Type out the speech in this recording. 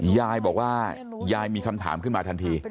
ยายบอกว่ายายมีคำถามขึ้นมาทันที